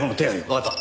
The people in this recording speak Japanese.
わかった。